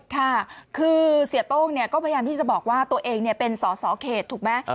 ค่ะคือเสียโต้งก็พยายามที่จะบอกว่าตัวเองเป็นสอสอเขตถูกไหม